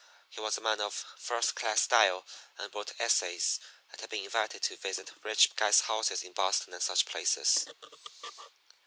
He was a man of first class style and wrote essays, and had been invited to visit rich guys' houses in Boston and such places.